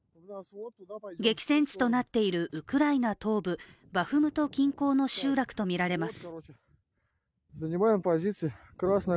激戦地となっているウクライナ東部バフムト近郊の集落とみられます。